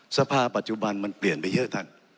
สภาปัจจุบันมันเปลี่ยนไปเยอะท่าน